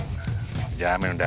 ingin cuman dulu pak